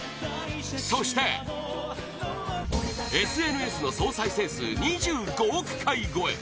そして、ＳＮＳの総再生数２５億回超え